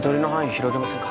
広げませんか？